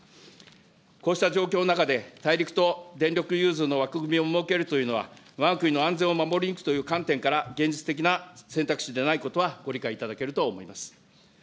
こうした状況の中で、大陸と電力融通の枠組みを設けるというのは、わが国の安全を守り抜くという観点から、現実的な選択肢でないことは、ご理解いただけると思います。